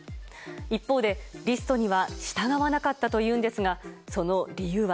一方で、リストには従わなかったというんですがその理由は。